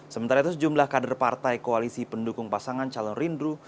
sementara itu sejumlah kader partai koalisi pendukung pasangan calon rindro